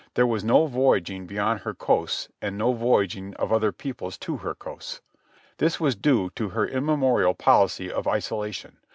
There was no voyaging beyond her coasts, and no voyaging of other peoples to her coasts. This was due to her immemorial policy of isolation.